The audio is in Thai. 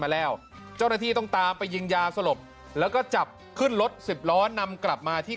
มาแล้วเจ้าหน้าที่ต้องตามไปยิงยาสลบแล้วก็จับขึ้นรถสิบล้อนำกลับมาที่